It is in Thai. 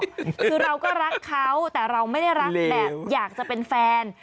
คือเราก็รักเขาแต่เราไม่ได้รักแบบอยากจะเป็นแฟน